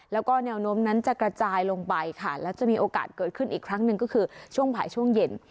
แล้วก็แนวโน้มนั้นจะกระจายลงไปค่ะแล้วจะมีโอกาสเกิดขึ้นอีกครั้งหนึ่งก็คือช่วงบ่ายช่วงเย็น